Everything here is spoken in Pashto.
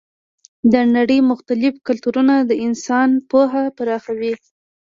د نړۍ مختلف کلتورونه د انسان پوهه پراخوي.